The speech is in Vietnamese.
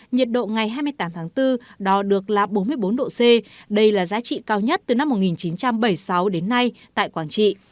nhiệt độ ngày hai mươi tám tháng bốn đo được là bốn mươi bốn độ c đây là giá trị cao nhất từ năm một nghìn chín trăm bảy mươi sáu đến nay tại quảng trị